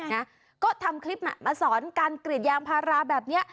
นะก็ทำคลิปมาสอนการกรีดยางพาราแบบนี้